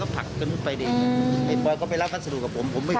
มาช่วงเกือบมือดอะ